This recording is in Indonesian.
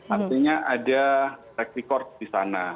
artinya ada track record di sana